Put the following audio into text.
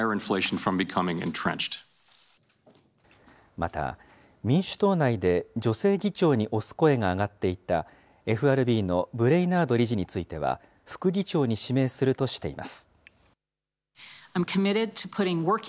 また、民主党内で女性議長に推す声が上がっていたＦＲＢのブレイナード理事については、副議長に指名するとしています。